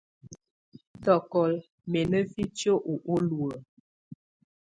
Tɔ́kɔ́lɔ mɛ na fitiǝ́ ɔ hɔlɔ?